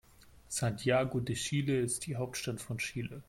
Santiago de Chile ist die Hauptstadt von Chile.